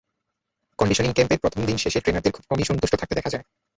Conditioning ক্যাম্পের প্রথম দিন শেষে ট্রেনারদের খুব কমই সন্তুষ্ট থাকতে দেখা যায়।